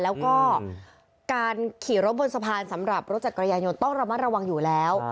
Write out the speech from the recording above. แล้วก็การขี่รถบนสะพานสำหรับรถจักรยานยนต์ต้องระมัดระวังอยู่แล้ว